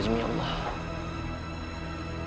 astaghfirullahalazim ya allah